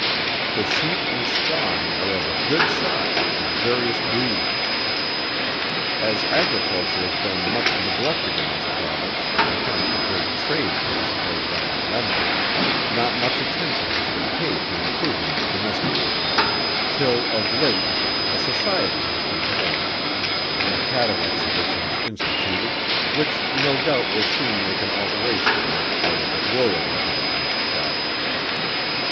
The sheep and swine are of a good size and various breeds. As Agriculture has been much neglected in this Province on account of the great trade that is carried on in lumber, not much attention has been paid to improving the domestic animals, till of late, a Society has been formed, and cattle exhibitions instituted, which no doubt will soon make an alteration in that part of the rural economy of the Province.